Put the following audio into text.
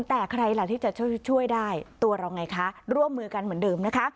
แต่ใครล่ะที่จะช่วยได้ตัวเราไงคะร่วมมือกันเหมือนเดิมนะคะ